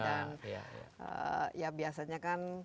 dan ya biasanya kan